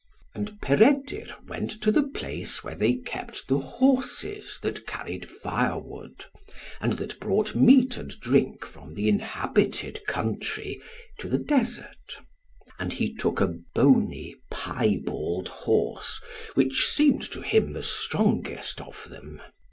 And Peredur went to the place where they kept the horses that carried firewood, and that brought meat and drink from the inhabited country to the desert. And he took a bony piebald horse, which seemed to him the strongest of them.